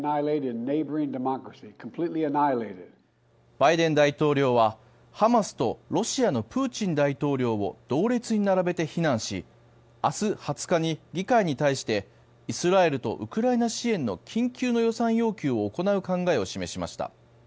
バイデン大統領は、ハマスとロシアのプーチン大統領を同列に並べて非難し明日２０日に議会に対してイスラエルとウクライナ支援の緊急の予算要求を行う考えを示しました。